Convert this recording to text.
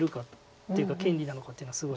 っていうか権利なのかっていうのがすごい。